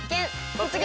「突撃！